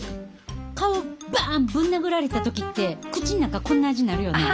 顔バンぶん殴られた時って口ん中こんな味なるよな。